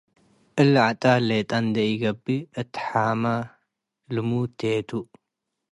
እሊ ዐጣል ሌጠ እንዴ ኢገብእ እት ሓመ ልሙድ ቴቱ ።